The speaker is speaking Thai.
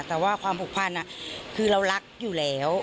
แต่ว่าความผูกพันคือเรารักอยู่แล้ว